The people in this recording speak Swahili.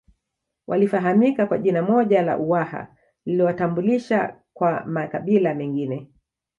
Walifahamika kwa jina moja la Uwaha lililowatambulisha kwa makabila mengine